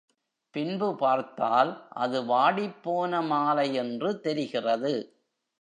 பின்பு பார்த்தால் அது வாடிப்போன மாலை என்று தெரிகிறது.